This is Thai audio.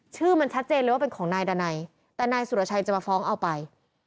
ชื่อมันชัดเจนเลยว่าเป็นของนายดานัยแต่นายสุรชัยจะมาฟ้องเอาไป